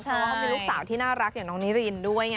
เพราะว่าเขาเป็นลูกสาวที่น่ารักอย่างน้องนิรินด้วยไง